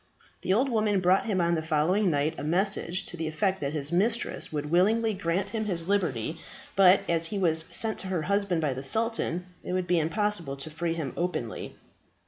The old woman brought him on the following night a message to the effect that his mistress would willingly grant him his liberty, but as he was sent to her husband by the sultan, it would be impossible to free him openly.